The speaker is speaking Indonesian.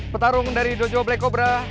pertarungan dari dojo black cobra